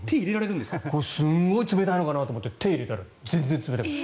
すごい冷たいのかなと思って手を入れたら全然冷たくない。